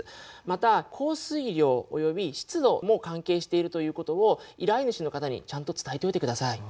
また降水量および湿度も関係しているということを依頼主の方にちゃんと伝えておいてください。